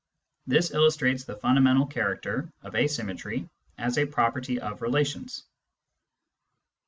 This illustrates the fundamental character of asymmetry as a property of relations.